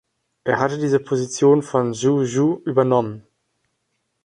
Er hatte diese Position von Zhou Yu übernommen.